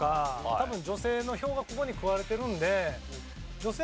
多分女性の票がここに食われてるんで。